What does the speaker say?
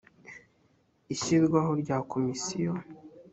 ishyirwaho ry’amakomisiyo